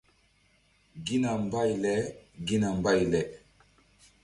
Gina mbay leGina mbay le.